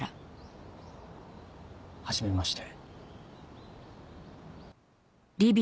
はじめまして。